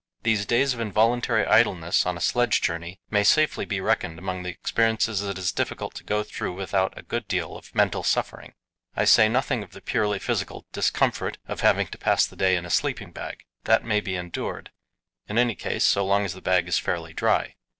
These days of involuntary idleness on a sledge journey may safely be reckoned among the experiences it is difficult to go through without a good deal of mental suffering. I say nothing of the purely physical discomfort of having to pass the day in a sleeping bag. That may be endured; in any case, so long as the bag is fairly dry.